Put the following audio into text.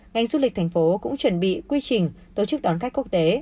ngành du lịch tp hcm cũng chuẩn bị quy trình tổ chức đón khách quốc tế